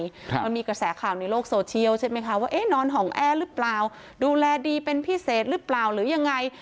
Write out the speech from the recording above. มันมีกระแสข่าวในโลกโซเชียลใช่ไหมคะว่าเอ๊ะนอนห่องแอร์หรือเปล่าดูแลดีเป็นพิเศษหรือเปล่าหรือยังไง